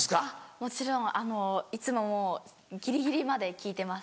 もちろんいつももうギリギリまで聴いてます。